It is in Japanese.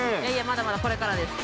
まだまだこれからです